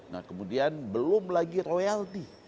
nah kemudian belum lagi royalti